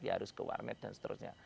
dia harus ke warnet dan seterusnya